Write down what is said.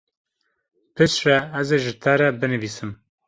Piştre ez ê ji te re binivîsim.